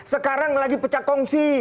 sekarang lagi pecah kongsi